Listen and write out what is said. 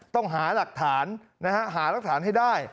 ต้องหารักฐานหารักฐานให้ได้